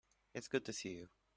It's good to see you.